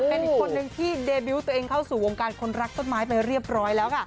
เป็นอีกคนนึงที่เดบิวต์ตัวเองเข้าสู่วงการคนรักต้นไม้ไปเรียบร้อยแล้วค่ะ